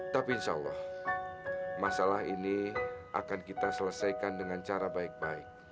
tapi insya allah masalah ini akan kita selesaikan dengan cara baik baik